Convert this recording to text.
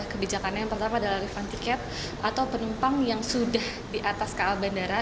kebijakannya yang pertama adalah refund tiket atau penumpang yang sudah di atas ka bandara